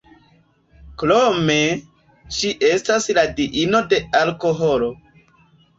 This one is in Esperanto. Krome, ŝi estas la diino de alkoholo.